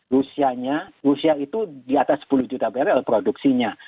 rusianya rusia itu diatas sepuluh juta barrel produksinya